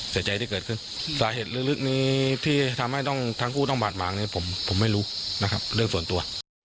เสียใจที่เกิดขึ้นสาเหตุลึกนี้ที่ทำให้ต้องทั้งคู่ต้องบาดหมางเนี่ยผมไม่รู้นะครับเรื่องส่วนตัว